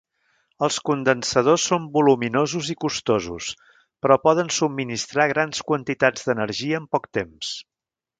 Els condensadors són voluminosos i costosos, però poden subministrar grans quantitats d'energia en poc temps.